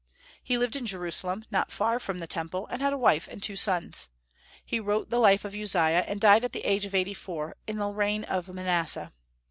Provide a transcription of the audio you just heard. He lived in Jerusalem, not far from the Temple, and had a wife and two sons. He wrote the life of Uzziah, and died at the age of eighty four, in the reign of Manasseh.